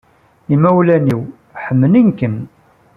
Imawlan-inu ḥemmlen-kem.